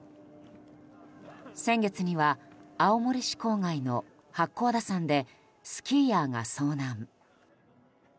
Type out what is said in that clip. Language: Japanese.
先月には青森市郊外の八甲田山でスキーヤーが遭難。